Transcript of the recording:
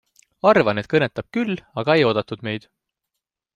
Arvan, et kõnetab küll, aga ei oodatud meid.